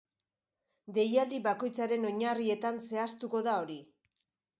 Deialdi bakoitzaren oinarrietan zehaztuko da hori.